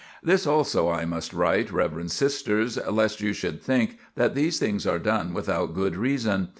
This also I must write, reverend sisters, lest you should think that these things are done without good reason.